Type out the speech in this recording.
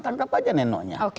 tangkap aja nenoknya